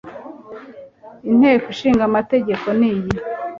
inteko ishinga amategeko niyi